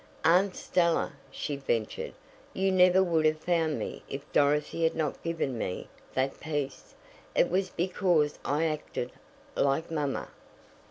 "Aunt Stella," she ventured, "you never would have found me if Dorothy had not given me that piece. It was because I acted like mamma."